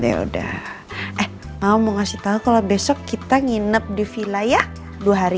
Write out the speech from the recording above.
yaudah eh mama mau kasih tau kalo besok kita nginep di villa ya dua hari